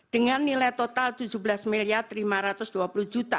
dengan nilai total rp tujuh belas lima ratus dua puluh